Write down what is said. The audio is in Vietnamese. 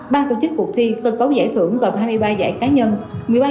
ban tổ chức cuộc thi tên cấu giải thưởng gồm hai mươi ba giải cá nhân một mươi ba giải tập thể